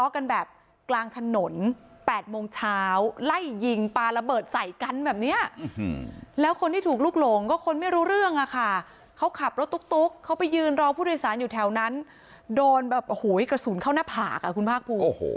เขาขับรถตุ๊กเขาไปยืนรอผู้โดยสารอยู่แถวนั้นโดนแบบโอ้โหให้กระสุนเข้าหน้าผากอ่ะคุณภากภูโอ้โห